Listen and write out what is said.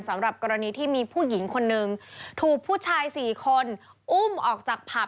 สำหรับกรณีที่มีผู้หญิงคนนึงถูกผู้ชายสี่คนอุ้มออกจากผับ